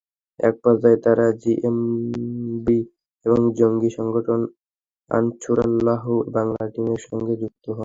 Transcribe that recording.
একপর্যায়ে তাঁরা জেএমবি এবং জঙ্গি সংগঠন আনসারুল্লাহ বাংলা টিমের সঙ্গে যুক্ত হন।